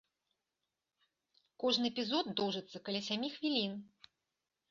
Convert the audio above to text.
Кожны эпізод доўжыцца каля сямі хвілін.